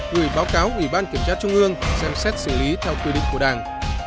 gửi báo cáo ủy ban kiểm tra trung ương xem xét xử lý theo quy định của đảng